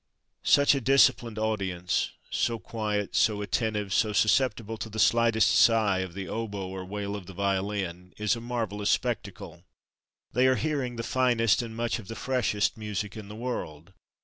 Such a disciplined audience, so quiet, so attentive, so susceptible to the slightest sigh of the oboe or wail of the violin, is a marvellous spectacle. They are hearing the finest and much of the freshest music in the world.